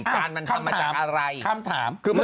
การมันทำมาจากอะไรคำถามคือ